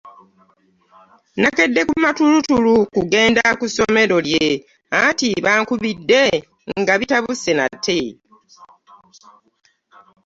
Nakedde mu matulutulu kugenda ku ssomero lye anti bankubidde nga bitabuse nate.